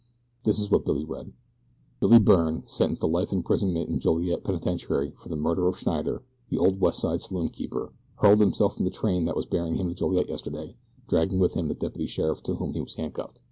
This is what Billy read: Billy Byrne, sentenced to life imprisonment in Joliet penitentiary for the murder of Schneider, the old West Side saloon keeper, hurled himself from the train that was bearing him to Joliet yesterday, dragging with him the deputy sheriff to whom he was handcuffed.